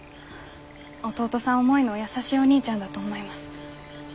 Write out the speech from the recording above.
弟さん思いの優しいお兄ちゃんだと思います。